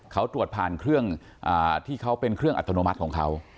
เขาตรวจผ่านเครื่องที่เขาเป็นเครื่องอัตโนมัติของเขา